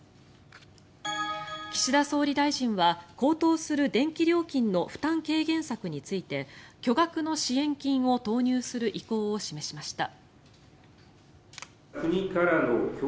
岸田総理大臣は高騰する電気料金の負担軽減策について巨額の支援金を投入する意向を示しました。